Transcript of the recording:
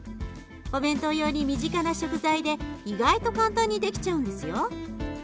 お弁当用に身近な食材で意外と簡単にできちゃうんですよ。